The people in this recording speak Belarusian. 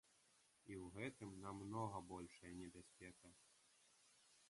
І ў гэтым намнога большая небяспека.